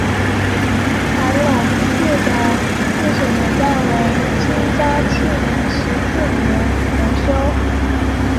韩泷祠的历史年代为清嘉庆十四年重修。